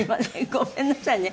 ごめんなさいね